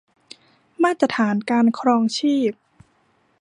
มาตรฐานการครองชีพ